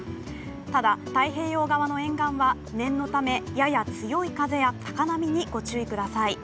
ただ、太平洋側の沿岸は念のためやや強い風や高波にご注意ください。